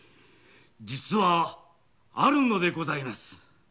実はあるのでございます。